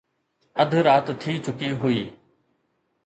اڌ رات ٿي چڪي هئي